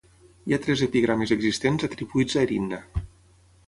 Hi ha tres epigrames existents atribuïts a Erinna.